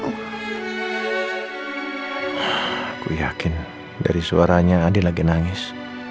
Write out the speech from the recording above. aku yakin dari suaranya adil lagi nangis